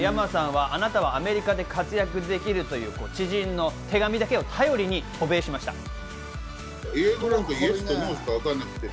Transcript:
ＹＡＭＡさんは、あなたはアメリカで活躍できるという知人の手紙だけを頼りに渡米しました。